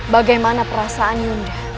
bagaimana perasaan yonda